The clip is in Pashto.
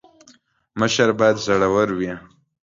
مشر باید زړه ور وي